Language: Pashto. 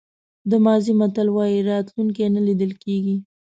د مازی متل وایي راتلونکی نه لیدل کېږي.